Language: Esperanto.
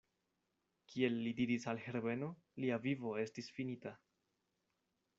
Kiel li diris al Herbeno, lia vivo estis finita.